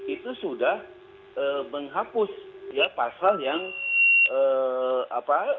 itu sudah menghapus ya pasal yang apa